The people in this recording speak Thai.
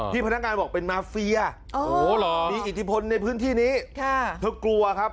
พนักงานบอกเป็นมาเฟียมีอิทธิพลในพื้นที่นี้เธอกลัวครับ